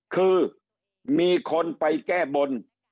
คือมีคนไปแก้บน